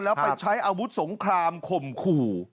แล้วไปใช้อาวุธสงครามข่มขู่